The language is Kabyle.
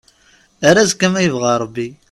Ar azekka ma yebɣa Rebbi.